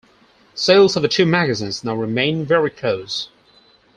Sales of the two magazines now remain very close.